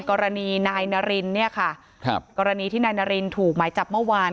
กรณีนายนารินเนี่ยค่ะครับกรณีที่นายนารินถูกหมายจับเมื่อวาน